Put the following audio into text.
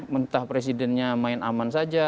mentah presidennya main aman saja